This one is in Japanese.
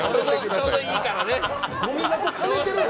ちょうどいいからね。